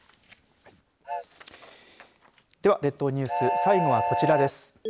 では、列島ニュース最後はこちらです。